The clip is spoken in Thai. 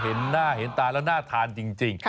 เห็นหน้าเห็นตาแล้วน่าทานจริง